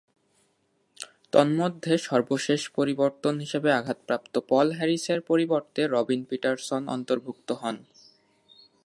তন্মধ্যে সর্বশেষ পরিবর্তন হিসেবে আঘাতপ্রাপ্ত পল হ্যারিসের পরিবর্তে রবিন পিটারসন অন্তর্ভুক্ত হন।